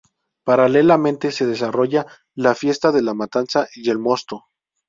Paralelamente se desarrolla la fiesta de la matanza y el mosto.